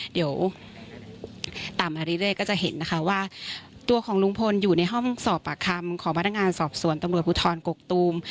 เดี๋ยวตามมาเรื่อยก็จะเห็นนะคะว่าตัวของลุงพลอยู่ในห้องสอบปากคำของพนักงานสอบสวนตำรวจภูทรกกตูม